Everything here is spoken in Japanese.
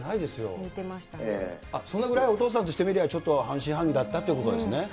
そのぐらいお父さんとしてみたら、ちょっと半信半疑だったということですね。